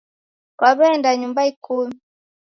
Kwaw'eenda nyumba ikumi?